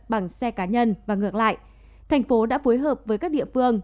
bằng xe cá nhân và ngược lại tp hcm đã phối hợp với các địa phương